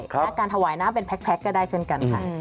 และการถวายน้ำเป็นแพ็คก็ได้เช่นกันค่ะ